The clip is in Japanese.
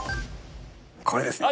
これですね。